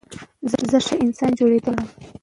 زه ښه انسان جوړېدل غواړم.